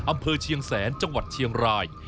อำเภอเชียงแสนจังหวัดเชียงราย